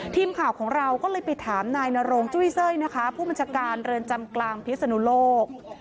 ทีมข่าวของเราก็เลยไปถามนายนโรงจุ้ยสร้อยนะคะผู้บัญชาการเรือนจำกลางพิศนุโลก